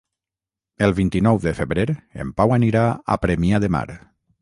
El vint-i-nou de febrer en Pau anirà a Premià de Mar.